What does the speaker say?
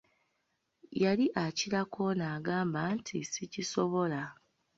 Yali akirako ono agamba nti sikisobola.